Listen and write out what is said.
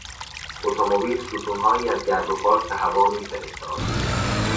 اتومبیل ستونهایی از گرد و خاک به هوا میفرستاد.